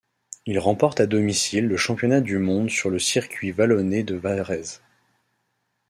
Il remporte à domicile le championnat du monde sur le circuit vallonné de Varèse.